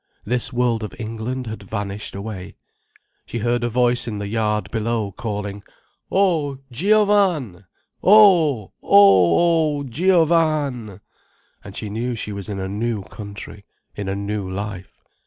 This world of England had vanished away. She heard a voice in the yard below calling: "O Giovann'—O' O' O' Giovann'——!" And she knew she was in a new country, in a new life.